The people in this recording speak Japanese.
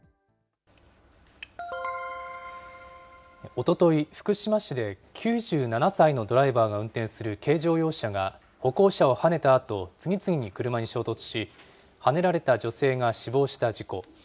おととい、福島市で、９７歳のドライバーが運転する軽乗用車が、歩行者をはねたあと次々に車に衝突し、はねられた女性が死亡した事故。